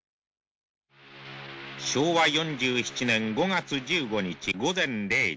昭和４７年５月１５日、午前０時。